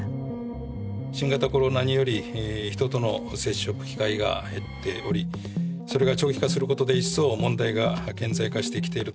新型コロナにより人との接触機会が減っておりそれが長期化することで一層問題が顕在化してきている。